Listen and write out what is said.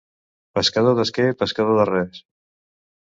Pescador d'esquer, pescador de res.